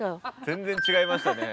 全然違いましたね。